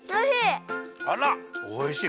あらおいしい。